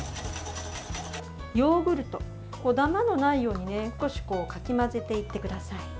ヨーグルト、ダマのないように少しかき混ぜていってください。